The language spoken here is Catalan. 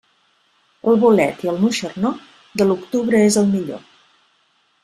El bolet i el moixernó, de l'octubre és el millor.